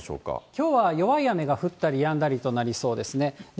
きょうは弱い雨が降ったりやんだりとなりそうですね。